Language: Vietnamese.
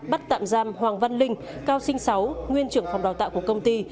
bắt tạm giam hoàng văn linh cao sinh sáu nguyên trưởng phòng đào tạo của công ty